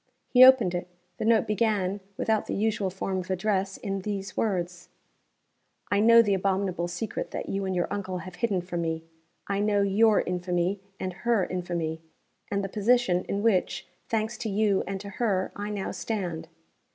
He opened it. The note began, without the usual form of address, in these words: "I know the abominable secret that you and my uncle have hidden from me. I know your infamy, and her infamy, and the position in which, thanks to you and to her, I now stand.